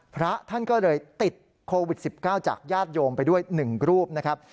พระท่านก็เลยติดโควิด๑๙จากญาติโยมไปด้วย๑รูปนะครับ